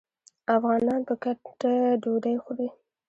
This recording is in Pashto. افغانان په ګډه ډوډۍ خوري.